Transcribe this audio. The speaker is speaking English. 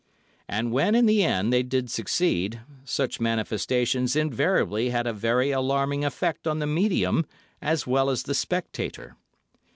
And when, in the end, they did succeed, such manifestations invariably had a very alarming effect on the medium as well as the spectator.